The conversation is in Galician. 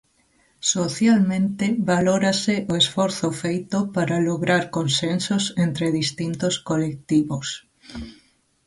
Socialmente valórase o esforzo feito para lograr consensos entre distintos colectivos.